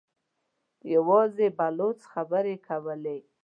يواځې بلوڅ خبرې کولې.